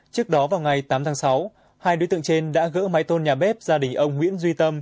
trước đó vào ngày tám tháng sáu hai đối tượng trên đã gỡ mái tôn nhà bếp gia đình ông nguyễn duy tâm